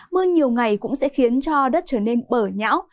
mưa nhiều ngày cũng sẽ khiến cho đất trở nên bở nhão